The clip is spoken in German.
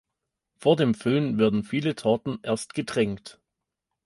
Vor dem Füllen werden viele Torten erst getränkt.